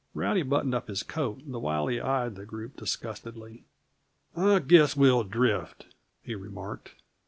Rowdy buttoned up his coat the while he eyed the group disgustedly. "I guess we'll drift," he remarked.